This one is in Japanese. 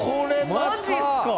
マジっすか！？